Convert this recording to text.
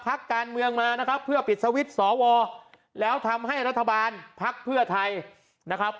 พักการเมืองมานะครับเพื่อปิดสวิตช์สอวอแล้วทำให้รัฐบาลภักดิ์เพื่อไทยนะครับ